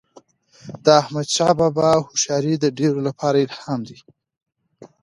د احمدشاه بابا هوښیاري د ډیرو لپاره الهام و.